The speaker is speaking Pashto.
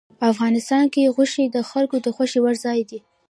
افغانستان کې غوښې د خلکو د خوښې وړ ځای دی.